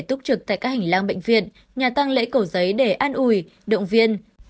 túc trực tại các hình lang bệnh viện nhà tăng lễ cổ giấy để ăn uỷ động viên